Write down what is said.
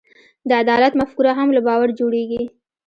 د عدالت مفکوره هم له باور جوړېږي.